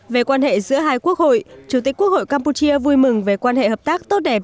về quan hệ giữa hai quốc hội chủ tịch quốc hội campuchia vui mừng về quan hệ hợp tác tốt đẹp